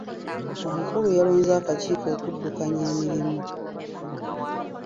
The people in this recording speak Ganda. Omukulu yalonze akakiiko okuddukanya emirimu.